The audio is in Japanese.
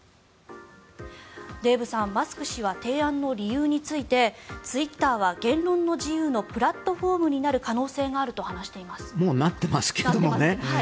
デーブさん、マスク氏は提案の理由についてツイッターは言論の自由のプラットフォームになる可能性があるともうなっていますがね。